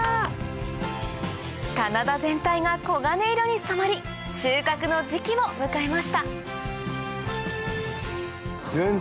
棚田全体が黄金色に染まり収穫の時期を迎えました